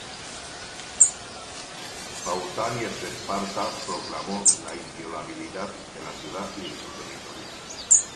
Pausanias de Esparta proclamó la inviolabilidad de la ciudad y de su territorio.